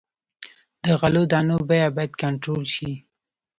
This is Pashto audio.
د غلو دانو بیه باید کنټرول شي.